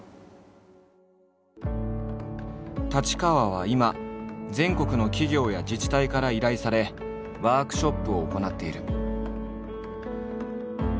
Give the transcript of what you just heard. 太刀川は今全国の企業や自治体から依頼されワークショップを行っている。